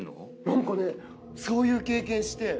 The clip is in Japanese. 何かねそういう経験して。